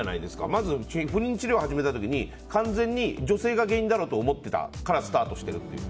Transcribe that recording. まず不妊治療を始めた時に完全に女性が原因だろって思ってたところからスタートしてるっていう。